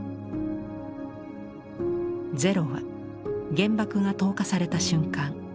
０は原爆が投下された瞬間。